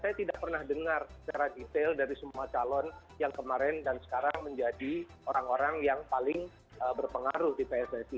saya tidak pernah dengar secara detail dari semua calon yang kemarin dan sekarang menjadi orang orang yang paling berpengaruh di pssi